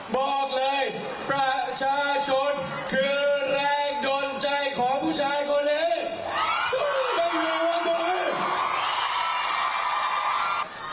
บอกเลยประชาชนคือแรงดนใจของผู้ชายคนนี้